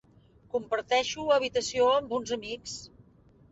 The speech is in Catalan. Comparteixo habitació amb uns amics.